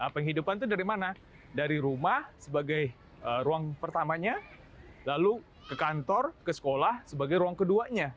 penghidupan itu dari mana dari rumah sebagai ruang pertamanya lalu ke kantor ke sekolah sebagai ruang keduanya